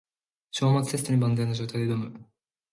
章末テストに万全の状態で挑む